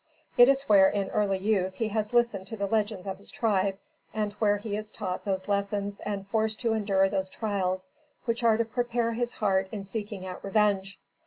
It is where in early youth he has listened to the legends of his tribe, and where he is taught those lessons and forced to endure those trials which are to prepare his heart in seeking out revenge.